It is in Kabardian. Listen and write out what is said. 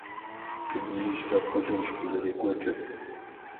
Дунеижьыр апхуэдэущ къызэрекӀуэкӀыр.